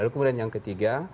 kemudian yang ketiga